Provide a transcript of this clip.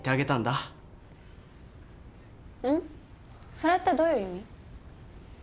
それってどういう意味？